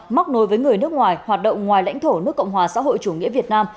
móc nối với người nước ngoài hoạt động ngoài lãnh thổ nước cộng hòa xã hội chủ nghĩa việt nam